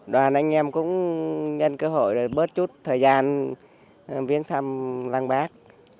đoàn anh em cũng nhân cơ hội bớt chút thời gian viếng thăm lăng bác